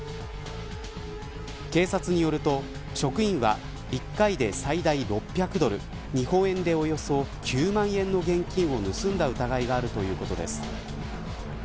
警察によると職員は１回で最大６００ドル日本円で、およそ９万円の現金を盗んだ疑いがあるということです。